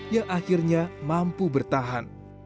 yang akhirnya mampu bertahan